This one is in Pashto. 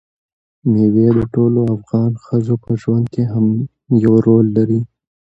مېوې د ټولو افغان ښځو په ژوند کې هم یو رول لري.